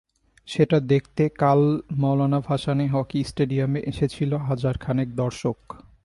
সেটা দেখতে কাল মওলানা ভাসানী হকি স্টেডিয়ামে এসেছিল হাজার খানেক দর্শক।